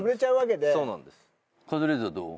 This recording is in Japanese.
カズレーザーどう？